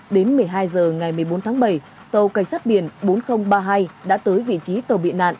đến một mươi hai h ngày một mươi bốn tháng bảy tàu cảnh sát biển bốn nghìn ba mươi hai đã tới vị trí tàu bị nạn